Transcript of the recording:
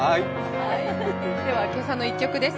では、「けさの１曲」です。